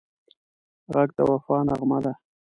غږ د وفا نغمه ده